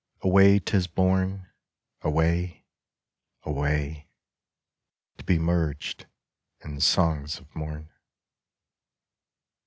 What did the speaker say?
Away 'tis borne, Away, away, to be merged in songs of morn.